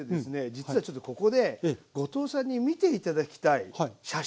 実はちょっとここで後藤さんに見て頂きたい写真があるんですよ。